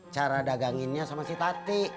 cara daganginnya sama si tati